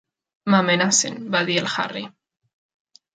"M'amenacen", va dir el Harry.